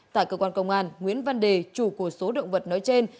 tại cơ quan công an nguyễn văn đề chủ của số động vật nói trên